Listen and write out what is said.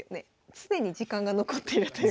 常に時間が残ってるということで。